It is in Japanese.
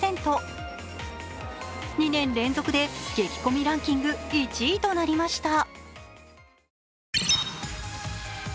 ２年連続で激混みランキング１位となりました。